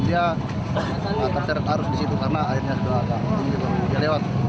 dia menemukan jembatan dan dia terjeret arus di situ karena akhirnya sudah lewat